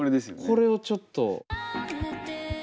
これをちょっと。